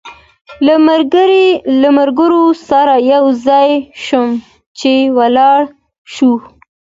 له ملګرو سره یو ځای شوم چې ولاړ شو.